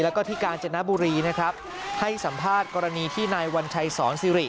แล้วก็ที่กาญจนบุรีนะครับให้สัมภาษณ์กรณีที่นายวัญชัยสอนซิริ